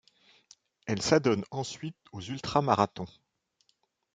Elle s'adonne ensuite aux ultra marathons.